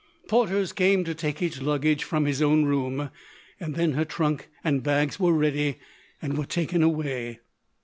Porters came to take his luggage from his own room; and then her trunk and bags were ready, and were taken away.